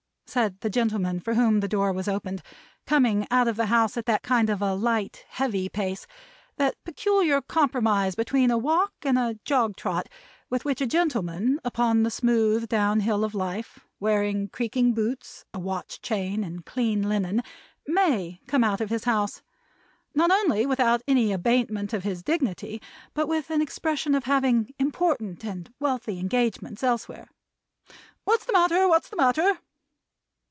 said the gentleman for whom the door was opened; coming out of the house at that kind of light, heavy pace that peculiar compromise between a walk and jog trot with which a gentleman upon the smooth down hill of life, wearing creaking boots, a watch chain, and clean linen, may come out of his house: not only without any abatement of his dignity, but with an expression of having important and wealthy engagements elsewhere. "What's the matter? What's the matter?"